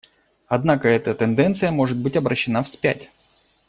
Однако эта тенденция может быть обращена вспять.